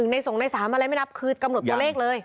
ใน๒ใน๓อะไรไม่นับคือกำหนดตัวเลขเลย